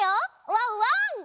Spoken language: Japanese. ワンワン！